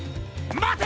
まて！